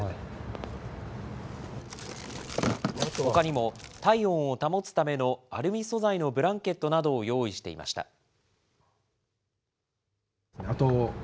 ほかにも体温を保つためのアルミ素材のブランケットなどを用意していました。